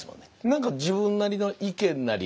何か自分なりの意見なり